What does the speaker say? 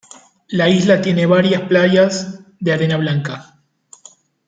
La isla tiene varias playas de arena blanca.